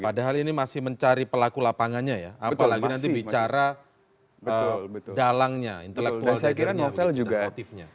padahal ini masih mencari pelaku lapangannya ya apalagi nanti bicara dalangnya intelektualnya